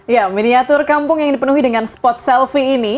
ya miniatur kampung yang dipenuhi dengan spot selfie ini